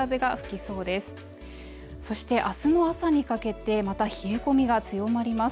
そして明日の朝にかけてまた冷え込みが強まります